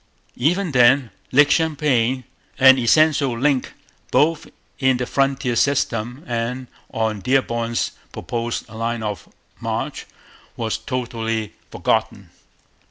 Even then Lake Champlain, an essential link both in the frontier system and on Dearborn's proposed line of march, was totally forgotten.